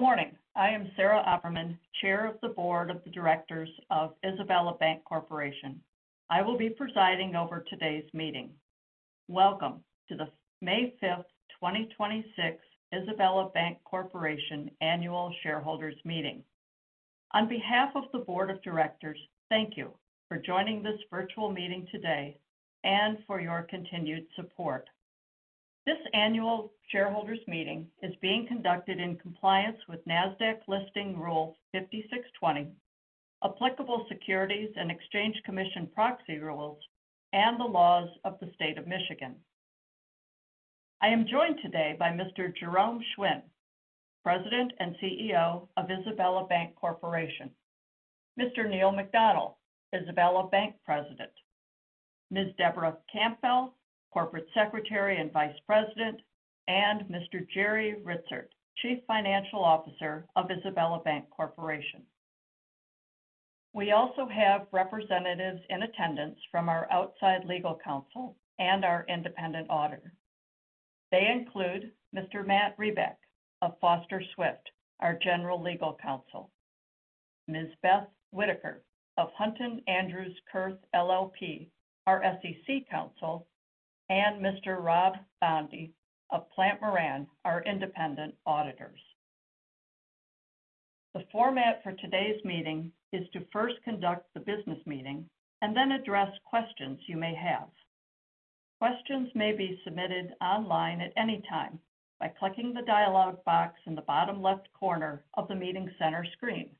Good morning. I am Sarah Opperman, Chair of the Board of Directors of Isabella Bank Corporation. I will be presiding over today's meeting. Welcome to the May 5th, 2026 Isabella Bank Corporation Annual Shareholders Meeting. On behalf of the Board of Directors, thank you for joining this virtual meeting today and for your continued support. This Annual Shareholders Meeting is being conducted in compliance with Nasdaq Listing Rule 5620, applicable Securities and Exchange Commission proxy rules, and the laws of the state of Michigan. I am joined today by Mr. Jerome Schwind, President and CEO of Isabella Bank Corporation. Mr. Neil McDonnell, Isabella Bank President. Ms. Debra Campbell, Corporate Secretary and Vice President, and Mr. Jerry Ritzert, Chief Financial Officer of Isabella Bank Corporation. We also have representatives in attendance from our outside legal counsel and our independent auditor. They include Mr. Matt Rebeck of Foster Swift, our general legal counsel. Ms. Beth Whitaker of Hunton Andrews Kurth LLP, our SEC counsel, and Mr. Rob Bondy of Plante Moran, our independent auditors. The format for today's meeting is to first conduct the business meeting and then address questions you may have. Questions may be submitted online at any time by clicking the dialog box in the bottom left corner of the meeting center screen.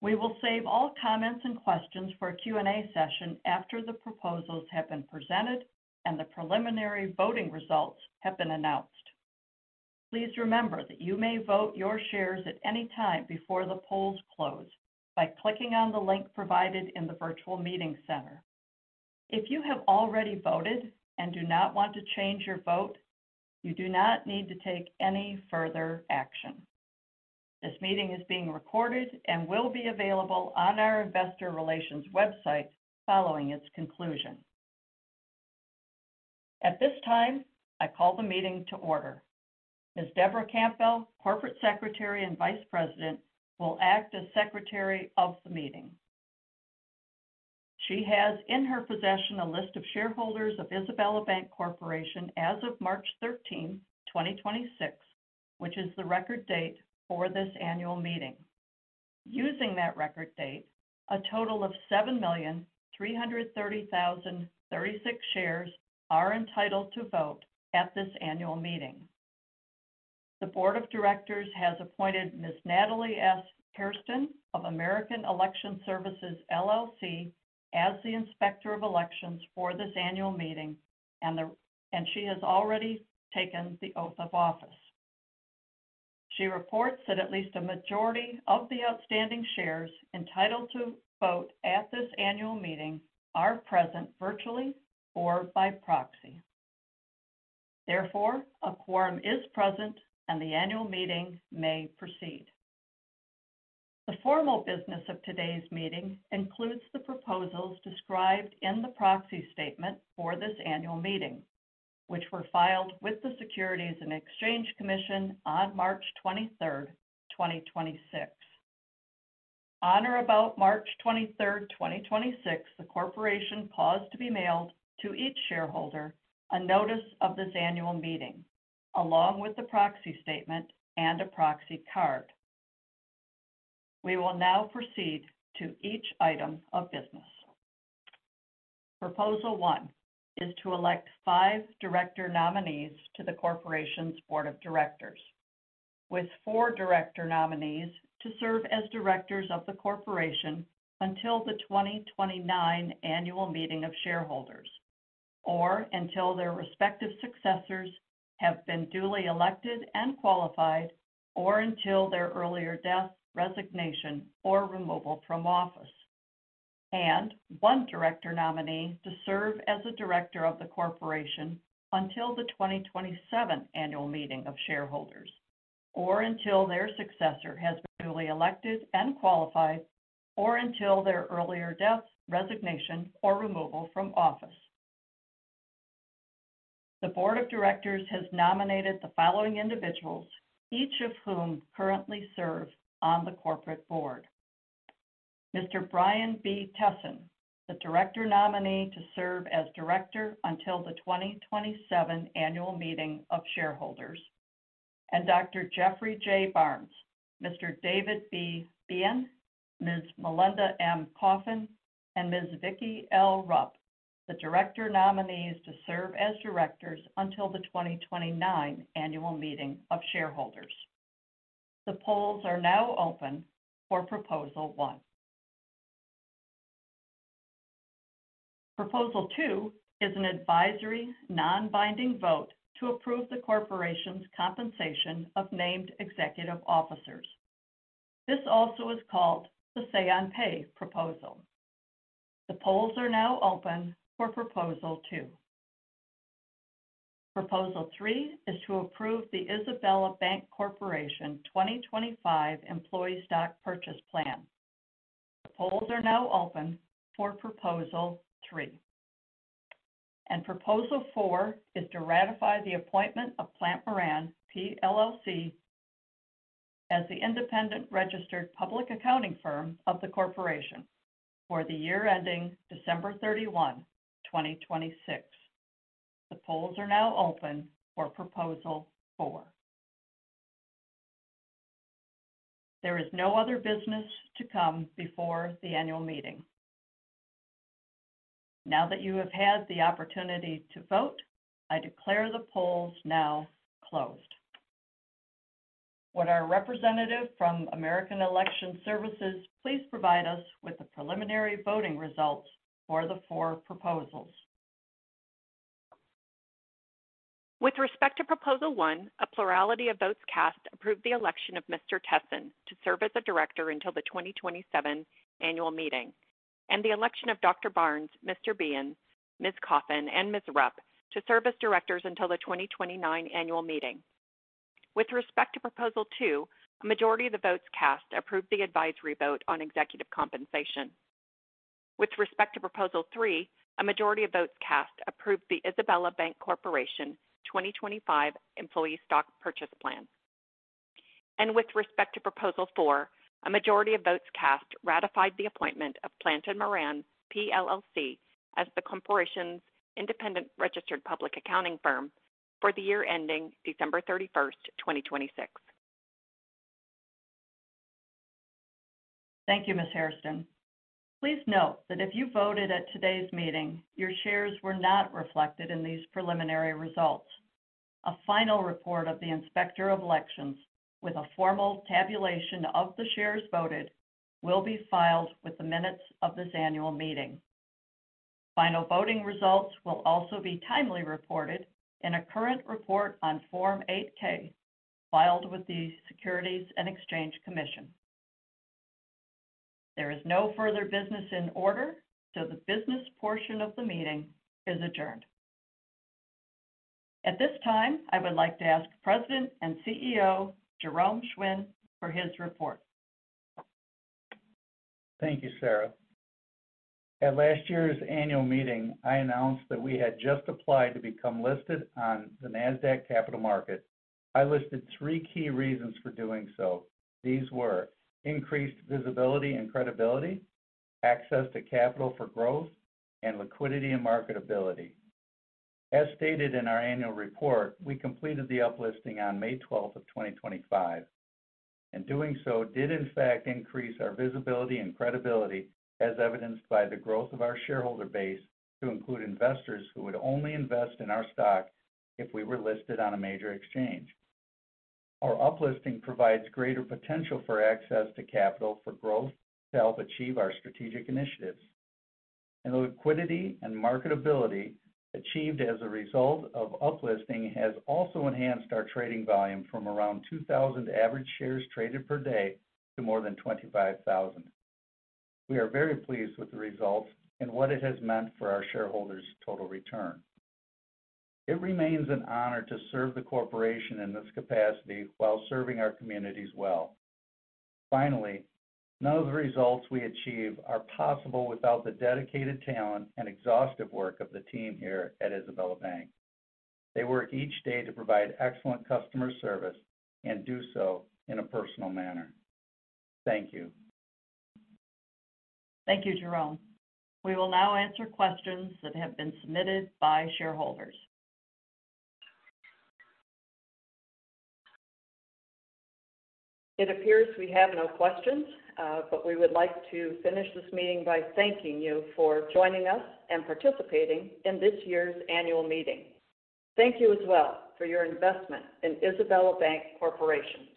We will save all comments and questions for a Q&A session after the proposals have been presented and the preliminary voting results have been announced. Please remember that you may vote your shares at any time before the polls close by clicking on the link provided in the virtual meeting center. If you have already voted and do not want to change your vote, you do not need to take any further action. This meeting is being recorded and will be available on our investor relations website following its conclusion. At this time, I call the meeting to order. Ms. Debra Campbell, Corporate Secretary and Vice President, will act as Secretary of the meeting. She has in her possession a list of shareholders of Isabella Bank Corporation as of March 13th, 2026, which is the record date for this annual meeting. Using that record date, a total of 7,330,036 shares are entitled to vote at this annual meeting. The Board of Directors has appointed Ms. Natalie S. Hairston of American Election Services, LLC as the Inspector of Elections for this annual meeting, and she has already taken the oath of office. She reports that at least a majority of the outstanding shares entitled to vote at this annual meeting are present virtually or by proxy. Therefore, a quorum is present and the annual meeting may proceed. The formal business of today's meeting includes the proposals described in the proxy statement for this annual meeting, which were filed with the Securities and Exchange Commission on March 23rd, 2026. On or about March 23rd, 2026, the corporation caused to be mailed to each shareholder a notice of this annual meeting, along with the proxy statement and a proxy card. We will now proceed to each item of business. Proposal one is to elect five director nominees to the corporation's Board of Directors, with four director nominees to serve as directors of the corporation until the 2029 annual meeting of shareholders, or until their respective successors have been duly elected and qualified, or until their earlier death, resignation, or removal from office. One director nominee to serve as a director of the corporation until the 2027 annual meeting of shareholders, or until their successor has been duly elected and qualified, or until their earlier death, resignation, or removal from office. The Board of Directors has nominated the following individuals, each of whom currently serve on the corporate board. Mr. Brian B. Tessin, the director nominee to serve as director until the 2027 annual meeting of shareholders, and Dr. Jeffrey J. Barnes, Mr. David B. Behen, Ms. Melinda M. Coffin, and Ms. Vicki L. Rupp, the director nominees to serve as directors until the 2029 annual meeting of shareholders. The polls are now open for proposal one. Proposal two is an advisory, non-binding vote to approve the corporation's compensation of named executive officers. This also is called the Say on Pay proposal. The polls are now open for proposal two. Proposal three is to approve the Isabella Bank Corporation 2025 Employee Stock Purchase Plan. The polls are now open for proposal three. Proposal four is to ratify the appointment of Plante Moran, PLLC, as the independent registered public accounting firm of the corporation for the year ending December 31, 2026. The polls are now open for proposal four. There is no other business to come before the annual meeting. Now that you have had the opportunity to vote, I declare the polls now closed. Would our representative from American Election Services please provide us with the preliminary voting results for the four proposals? With respect to Proposal one, a plurality of votes cast approved the election of Mr. Tessin to serve as a director until the 2027 annual meeting, and the election of Dr. Barnes, Mr. Behen, Ms. Coffin, and Ms. Rupp to serve as directors until the 2029 annual meeting. With respect to proposal two, a majority of the votes cast approved the advisory vote on executive compensation. With respect to proposal three, a majority of votes cast approved the Isabella Bank Corporation 2025 Employee Stock Purchase Plan. With respect to proposal four, a majority of votes cast ratified the appointment of Plante & Moran, PLLC as the corporation's independent registered public accounting firm for the year ending December 31st, 2026. Thank you, Ms. Hairston. Please note that if you voted at today's meeting, your shares were not reflected in these preliminary results. A final report of the Inspector of Elections with a formal tabulation of the shares voted will be filed with the minutes of this annual meeting. Final voting results will also be timely reported in a current report on Form 8-K filed with the Securities and Exchange Commission. There is no further business in order, so the business portion of the meeting is adjourned. At this time, I would like to ask President and CEO Jerome Schwind for his report. Thank you, Sarah. At last year's annual meeting, I announced that we had just applied to become listed on the Nasdaq Capital Market. I listed three key reasons for doing so. These were increased visibility and credibility, access to capital for growth, and liquidity and marketability. As stated in our annual report, we completed the uplisting on May 12th, 2025, and doing so did in fact increase our visibility and credibility, as evidenced by the growth of our shareholder base to include investors who would only invest in our stock if we were listed on a major exchange. Our uplisting provides greater potential for access to capital for growth to help achieve our strategic initiatives. The liquidity and marketability achieved as a result of uplisting has also enhanced our trading volume from around 2,000 average shares traded per day to more than 25,000. We are very pleased with the results and what it has meant for our shareholders' total return. It remains an honor to serve the corporation in this capacity while serving our communities well. Finally, none of the results we achieve are possible without the dedicated talent and exhaustive work of the team here at Isabella Bank. They work each day to provide excellent customer service and do so in a personal manner. Thank you. Thank you, Jerome. We will now answer questions that have been submitted by shareholders. It appears we have no questions. We would like to finish this meeting by thanking you for joining us and participating in this year's annual meeting. Thank you as well for your investment in Isabella Bank Corporation.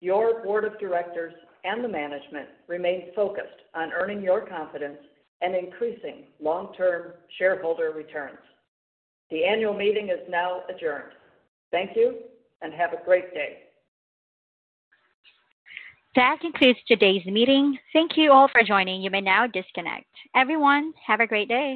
Your board of directors and the management remain focused on earning your confidence and increasing long-term shareholder returns. The annual meeting is now adjourned. Thank you. Have a great day. That concludes today's meeting. Thank you all for joining. You may now disconnect. Everyone, have a great day.